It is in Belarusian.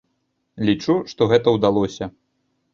Лічу, што гэта ўдалося.